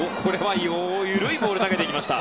緩いボールを投げていきました。